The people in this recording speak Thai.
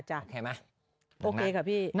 โอเคค่ะพี่